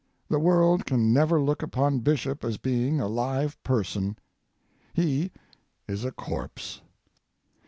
The world can never look upon Bishop as being a live person. He is a corpse."